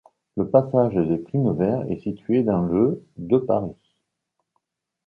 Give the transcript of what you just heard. Le passage des Primevères est situé dans le de Paris.